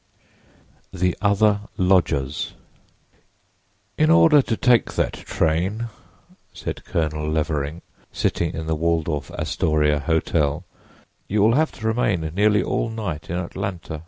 THE OTHER LODGERS "IN order to take that train," said Colonel Levering, sitting in the Waldorf Astoria hotel, "you will have to remain nearly all night in Atlanta.